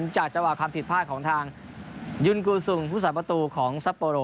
จากเจ้าหากภาพิษภาคของทางยุนกุศุ้งผู้สัจประตูของซัโปโล